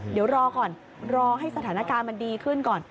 เดี๋ยวรอก่อนรอให้สถานการณ์มันดีขึ้นก่อน